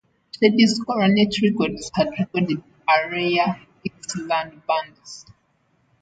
Sheedy's Coronet Records had recorded area Dixieland bands.